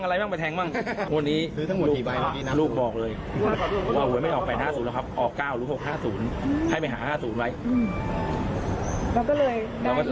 มีเงินแล้วเนี่ยแล้วเรายังจะทำงานอยู่ไหม